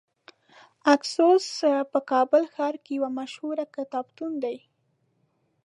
اکسوس په کابل ښار کې یو مشهور کتابتون دی .